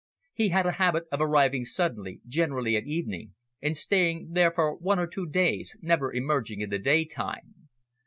He had a habit of arriving suddenly, generally at evening, and staying there for one or two days, never emerging in the daytime.